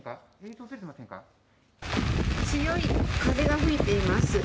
強い風が吹いています。